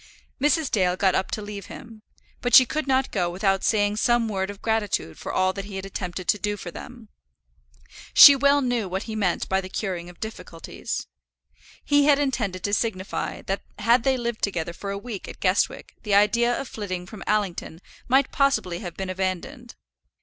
Mrs. Dale got up to leave him, but she could not go without saying some word of gratitude for all that he had attempted to do for them. She well knew what he meant by the curing of difficulties. He had intended to signify that had they lived together for a week at Guestwick the idea of flitting from Allington might possibly have been abandoned.